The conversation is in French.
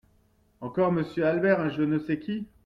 Encore Monsieur Albert… un je ne sais qui.